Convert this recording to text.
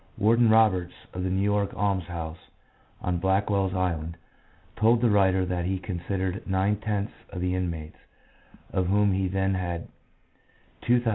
Warden Roberts, of the New York almshouse on Blackwell's Island, told the writer that he considered nine tenths of the inmates, of whom he then had 2,593, came there through drink.